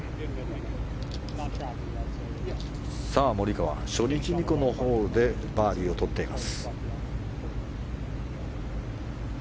モリカワ、初日にこのホールでバーディーをとっています。